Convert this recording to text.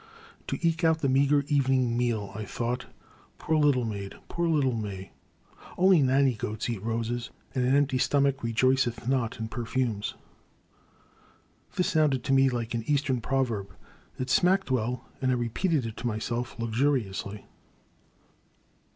" To eke out the meagre evening meal," I thought; poor little maid — ^poor little May! Only nanny goats eat roses, and an empty stom ach rejoiceth not in perfumes.*' This sounded to me like an Eastern proverb. It smacked well, and I repeated it to myself lux uriously.